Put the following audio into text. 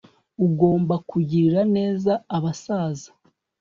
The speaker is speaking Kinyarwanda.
Ugomba kugirira neza abasaza